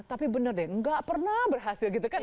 tapi bener deh nggak pernah berhasil gitu kan